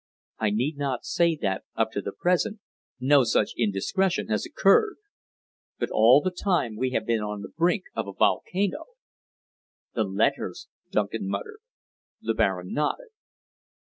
I need not say that, up to the present, no such indiscretion has occurred. But all the time we have been on the brink of a volcano!" "The letters!" Duncan muttered. The Baron nodded.